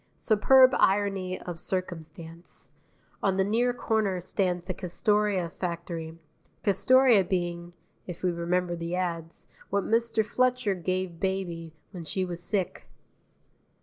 Superb irony of circumstance: on the near corner stands the Castoria factory, Castoria being (if we remember the ads) what Mr. Fletcher gave baby when she was sick.